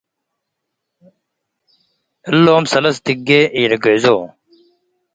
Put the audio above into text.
እሎም ሰለስ ድጌ ኢልግዕዞ ።